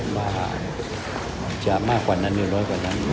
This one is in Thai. ว่าจะมากกว่านั้นหรือน้อยกว่านั้น